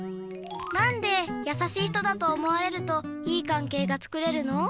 なんでやさしい人だと思われるといい関係がつくれるの？